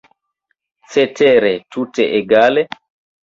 Cetere, tute egale?